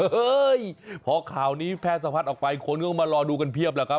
เฮ้ยพอข่าวนี้แพร่สะพัดออกไปคนก็มารอดูกันเพียบแล้วครับ